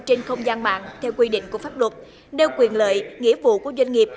trên không gian mạng theo quy định của pháp luật nêu quyền lợi nghĩa vụ của doanh nghiệp